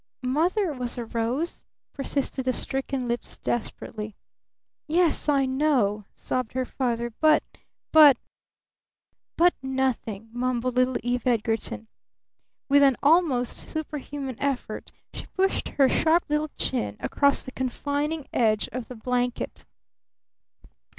"Mother was a rose," persisted the stricken lips desperately. "Yes, I know," sobbed her father. "But but " "But nothing," mumbled little Eve Edgarton. With an almost superhuman effort she pushed her sharp little chin across the confining edge of the blanket.